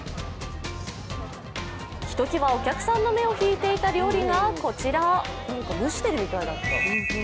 ひときわお客さんの目を引いていた料理がこちら。